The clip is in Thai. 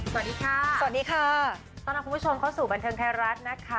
สวัสดีค่ะสวัสดีค่ะสวัสดีค่ะตอนนี้คุณผู้ชมเข้าสู่บันเทิงแพร่รัฐนะคะ